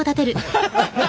アハハハ！